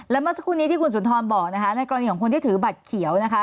และเมื่อสักครู่นี้ที่คุณสุนทรบอกนะคะในกรณีของคนที่ถือบัตรเขียวนะคะ